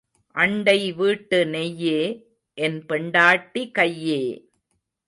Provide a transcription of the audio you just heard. அண்டை வீட்டு நெய்யே, என் பெண்டாட்டி கையே.